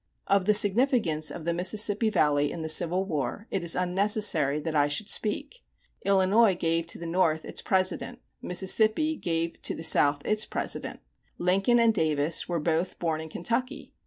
Of the significance of the Mississippi Valley in the Civil War, it is unnecessary that I should speak. Illinois gave to the North its President; Mississippi gave to the South its President. Lincoln and Davis were both born in Kentucky.